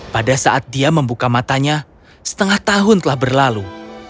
pada saat dia membuka matanya setengah tahun telah berlalu